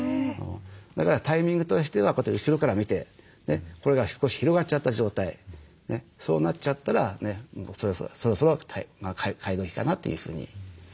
だからタイミングとしてはこうやって後ろから見てこれが少し広がっちゃった状態そうなっちゃったらそろそろ替え時かなというふうに。